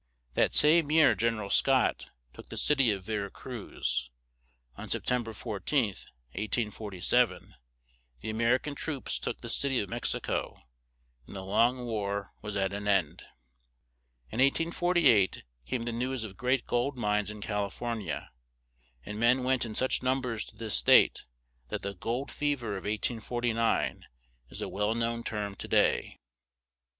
That same year Gen er al Scott took the cit y of Ve ra Cruz; on Sep tem ber 14th, 1847, the A mer i can troops took the cit y of Mex i co, and the long war was at an end. In 1848 came the news of great gold mines in Cal i for ni a; and men went in such num bers to this state that the "Gold Fe ver of 1849" is a well known term to day.